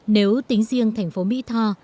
nếu tính riêng thành phố mỹ tho